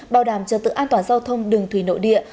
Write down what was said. bảo đảm trật tự an toàn giao thông đường thủy nội địa